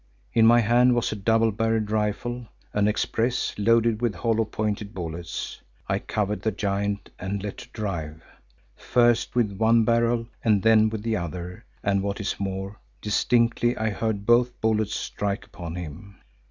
In my hand was a double barrelled rifle, an Express loaded with hollow pointed bullets. I covered the giant and let drive, first with one barrel and then with the other, and what is more, distinctly I heard both bullets strike upon him.